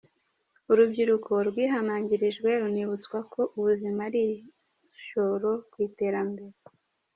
Urubyiruko rwihanangirijwe runibutswa ko ubuzima ari igishoro ku iterambere